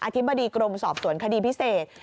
ธิบดีกรมสอบสวนคดีพิเศษ